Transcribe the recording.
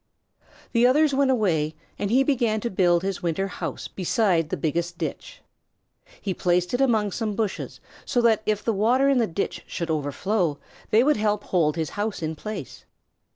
The others went away and he began to build his winter house beside the biggest ditch. He placed it among some bushes, so that if the water in the ditch should ever overflow they would help hold his house in place.